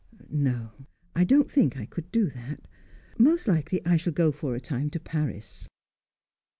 "No, I don't think I could do that. Most likely I shall go for a time to Paris."